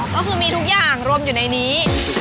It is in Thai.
ก็คือมีทุกอย่างรวมอยู่ในนี้